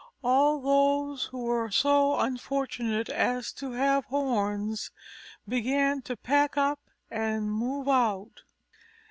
All those who were so unfortunate as to have horns, began to pack up and move out.